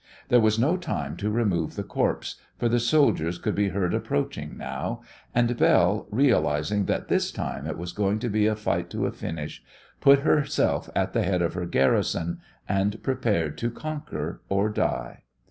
There was no time to remove the corpse, for the soldiers could be heard approaching now, and Belle, realizing that this time it was going to be a fight to a finish, put herself at the head of her garrison, and prepared to conquer or die.